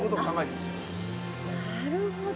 なるほど。